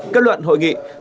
kết luận hội nghị thủ tướng